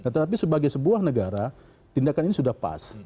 tetapi sebagai sebuah negara tindakan ini sudah pas